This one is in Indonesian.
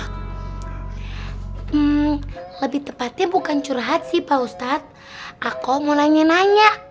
hmm lebih tepatnya bukan curhat sih pak ustadz aku mau nanya nanya